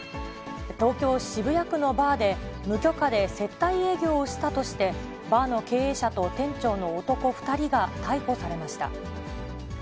東京・渋谷区のバーで、無許可で接待営業をしたとして、バーの経営者と店長の男２人が逮捕されました。